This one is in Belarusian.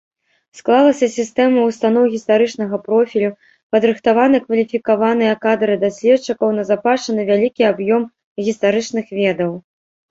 Склалася сістэма ўстаноў гістарычнага профілю, падрыхтаваны кваліфікаваныя кадры даследчыкаў, назапашаны вялікі аб'ём гістарычных ведаў.